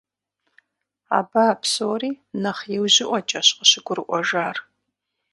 Абы а псори нэхъ иужьыӀуэкӀэщ къыщыгурыӀуэжар.